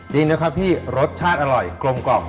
จริงนะครับพี่รสชาติอร่อยกลมกล่อม